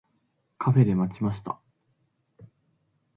カフェで待ちました。